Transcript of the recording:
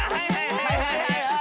はいはいはい！